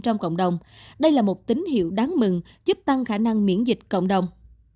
trong cộng đồng đây là một tín hiệu đáng mừng giúp tăng khả năng miễn dịch cộng đồng